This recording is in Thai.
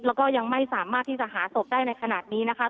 แล้วก็ยังไม่สามารถที่จะหาศพได้ในขณะนี้นะคะ